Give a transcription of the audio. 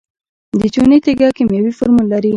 د چونې تیږه کیمیاوي فورمول لري.